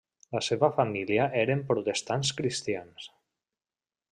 La seva família eren Protestants cristians.